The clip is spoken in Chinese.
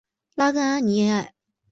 拉戈阿尼埃。